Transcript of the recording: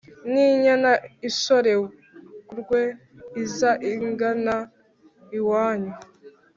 N'inyana ishorerwe iza igana iwanyu